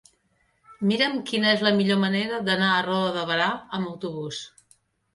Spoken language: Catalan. Mira'm quina és la millor manera d'anar a Roda de Berà amb autobús.